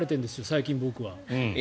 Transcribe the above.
最近、僕は。